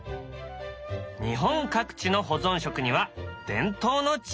日本各地の保存食には伝統の知恵がある。